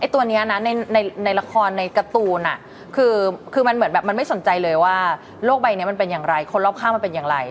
ตัวนี้นะในละครในการ์ตูนคือมันเหมือนแบบมันไม่สนใจเลยว่าโลกใบนี้มันเป็นอย่างไรคนรอบข้างมันเป็นอย่างไร